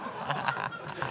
ハハハ